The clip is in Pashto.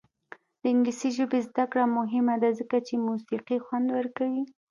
د انګلیسي ژبې زده کړه مهمه ده ځکه چې موسیقي خوند ورکوي.